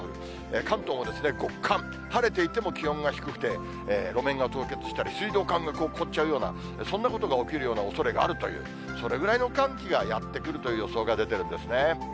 関東も極寒、晴れていても気温が低くて、路面が凍結したり、水道管が凍っちゃうような、そんなことが起きるようなおそれがあるという、それぐらいの寒波がやって来るという予想が出てるんですね。